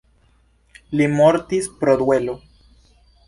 Li mortis pro duelo.